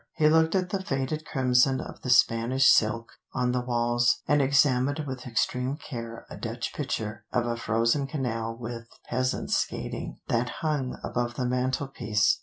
He looked at the faded crimson of the Spanish silk on the walls, and examined with extreme care a Dutch picture of a frozen canal with peasants skating, that hung above the mantelpiece.